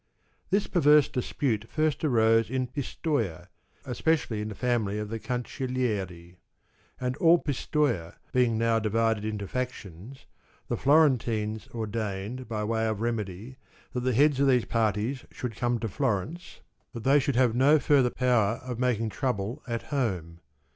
This perverse dispute first arose in Pistoia, especially in the family of the Cancellieri ; and all Pistoia being now divided into factions, the Floren tines ordained, by way of remedy, that the heads of these parties should come to Florence that they should have no further power of making trouble at home.